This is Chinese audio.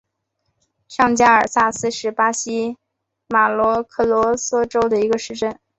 上加尔萨斯是巴西马托格罗索州的一个市镇。